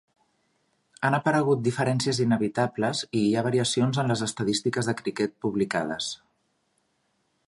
Han aparegut diferències inevitables i hi ha variacions en les estadístiques de criquet publicades.